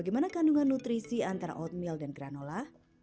bagaimana kandungan nutrisi antara oatmeal dan granola